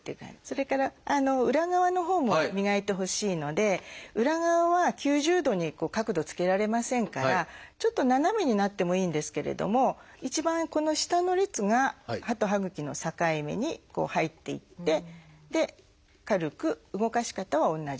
それから裏側のほうも磨いてほしいので裏側は９０度に角度つけられませんからちょっと斜めになってもいいんですけれども一番この下の列が歯と歯ぐきの境目に入っていって軽く動かし方は同じです。